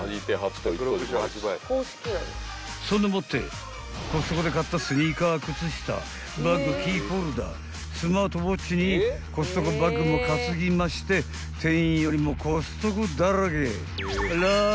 ［そんでもってコストコで買ったスニーカー靴下バッグキーホルダースマートウォッチにコストコバッグも担ぎまして店員よりもコストコだらけ］